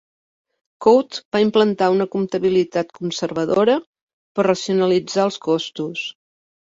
Cote va implantar una comptabilitat conservadora per racionalitzar els costos.